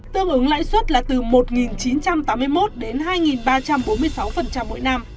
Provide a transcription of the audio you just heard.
tương ứng lãi suất là từ một chín trăm tám mươi một đến hai ba trăm bốn mươi sáu mỗi năm